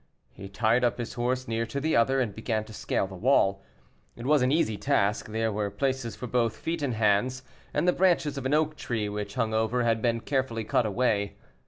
He tied up his horse near to the other, and began to scale the wall. It was an easy task; there were places for both feet and hands, and the branches of an oak tree, which hung over, had been carefully cut away.